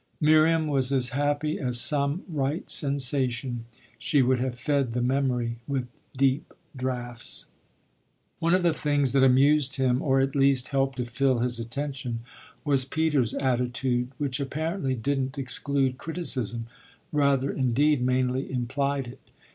Miriam was as happy as some right sensation she would have fed the memory with deep draughts. One of the things that amused him or at least helped to fill his attention was Peter's attitude, which apparently didn't exclude criticism rather indeed mainly implied it.